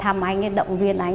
không còn một cái